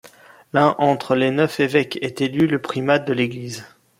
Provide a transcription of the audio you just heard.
L'un entre les neuf évêques est élu le primat de l'église.